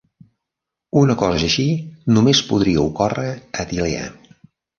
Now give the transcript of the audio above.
Una cosa així només podria ocórrer a Tilea!